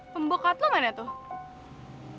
pembukaan lo mana tuh